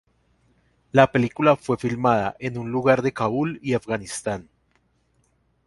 La película fue filmada en un lugar de Kabul, Afganistán.